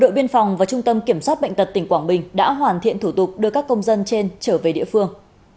đội biên phòng và trung tâm kiểm soát bệnh tật tỉnh quảng bình đã hoàn thiện thủ tục đưa các công dân trên trở về địa phương